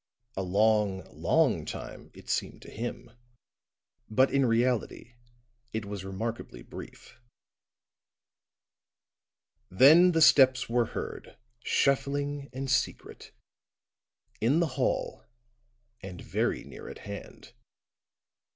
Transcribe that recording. A long, long time, it seemed to him, but in reality it was remarkably brief. Then the steps were heard, shuffling and secret, in the hall and very near at hand.